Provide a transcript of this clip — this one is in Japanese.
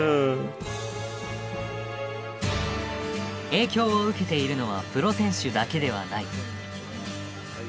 影響を受けているのはプロ選手だけではない。